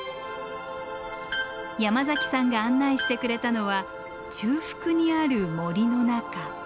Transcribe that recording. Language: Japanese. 山崎さんが案内してくれたのは中腹にある森の中。